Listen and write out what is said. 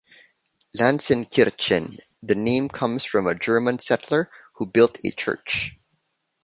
"Lanzenkirchen": The name comes from a German settler who built a church.